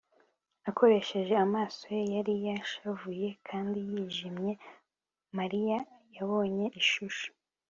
akoresheje amaso ye yari yashavuye kandi yijimye, mariya yabonye ishusho